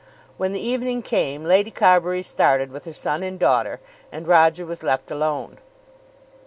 When the evening came, Lady Carbury started with her son and daughter, and Roger was left alone.